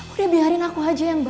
udah biarin aku aja yang bu